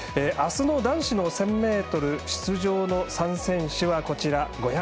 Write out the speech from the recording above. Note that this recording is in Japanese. あすの男子の１０００ｍ出場の３選手はこちら。